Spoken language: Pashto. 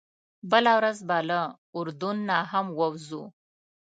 بله ورځ به له اردن نه هم ووځو.